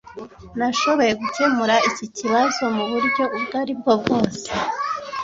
nashoboye gukemura iki kibazo muburyo ubwo aribwo bwose.